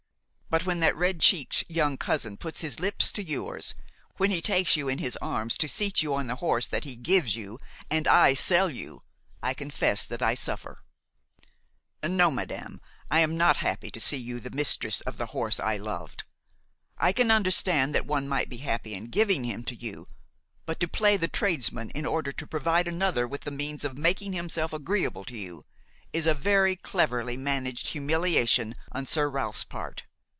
But when that red cheeked young cousin puts his lips to yours, when he takes you in his arms to seat you on the horse that he gives you and I sell you, I confess that I suffer. No, madame, I am not happy to see you the mistress of the horse I loved. I can understand that one might be happy in giving him to you; but to play the tradesman in order to provide another with the means of making himself agreeable to you, is a very cleverly managed humiliation on Sir Ralph's part.